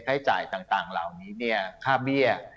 ให้จ่ายต่างเหล่านี้เนี่ยค่าเบี้ย